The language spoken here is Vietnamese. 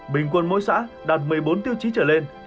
bình quân mỗi xã đạt một mươi bốn tiêu chí trở lên